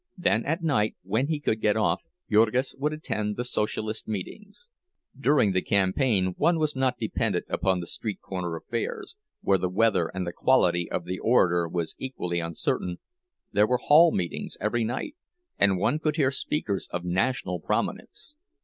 Then at night, when he could get off, Jurgis would attend the Socialist meetings. During the campaign one was not dependent upon the street corner affairs, where the weather and the quality of the orator were equally uncertain; there were hall meetings every night, and one could hear speakers of national prominence.